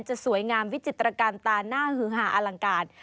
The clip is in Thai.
จะสวยงามวิจิตรการตาหน้าหือหาอลังการ